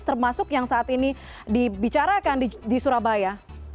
termasuk yang saat ini dibicarakan di surabaya